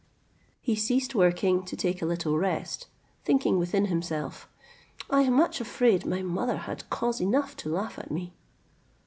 He ceased working to take a little rest, thinking within himself, "I am much afraid my mother had cause enough to laugh at me."